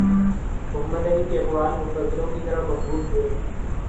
محمد علی کے اقوال مفکروں کی طرح مقبول ہوئے